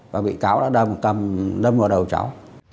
và bị cáo đã đâm một cầm đâm vào đầu cháu